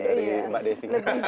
dari mbak desi